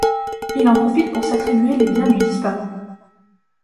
Il en profite pour s'attribuer les biens du disparu.